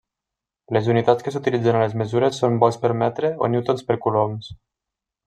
Les unitats que s'utilitzen a les mesures són volts per metre o newtons per coulombs.